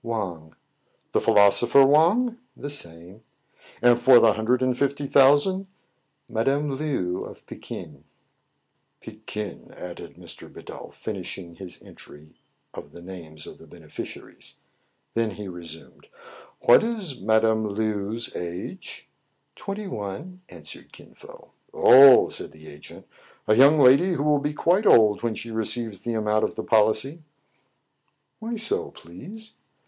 "Wang." " The philosopher Wang ?" "The same." "And for the hundred and fifty thousand?" "Madame Le ou of Pekin." THE OFFICES OF THE ''CENTENARY:' 67 " Pekin, added Mr. Bidulph, finishing his entry of the names of the beneficiaries. Then he re» sumed :— "What is Madame Le ou*s age ?" "Twenty one," answered Kin Fo. " Oh !" said the agent, " a young lady who will be quite old when she receives the amount of the policy." " Why so, please